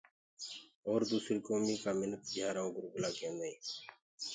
اور دوسريٚ ڪوميٚ ڪآ مِنک گھيآرآئون گرگلآ ڪيندآئين۔